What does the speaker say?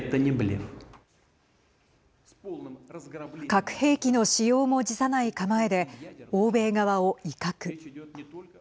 核兵器の使用も辞さない構えで欧米側を威嚇。